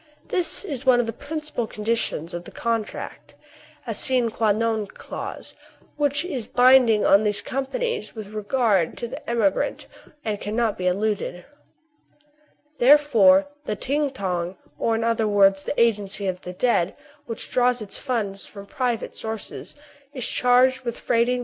This is one of the principal conditions of the con tract, — a sine qua non clause, which is binding on these companies with regard to the emigrant, and cannot be eluded. Therefore the Ting Tong — or, in other words, the Agency of the Dead, which draws its funds from private sources — is charged with freighting KIN FO AND THE PHILOSOPHER.